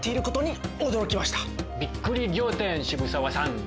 びっくり仰天渋沢さん。